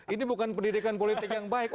ini bukan pendidikan politik yang baik